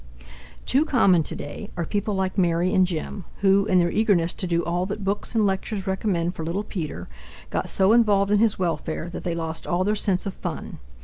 Too common today are people like Mary and Jim, who, in their eagerness to do all that books and lectures recommend for little Peter, got so involved in his welfare that they lost all their sense of fun.